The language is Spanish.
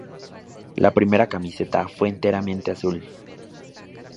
La primera camiseta fue enteramente azul.